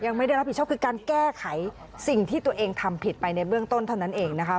ไม่ได้รับผิดชอบคือการแก้ไขสิ่งที่ตัวเองทำผิดไปในเบื้องต้นเท่านั้นเองนะคะ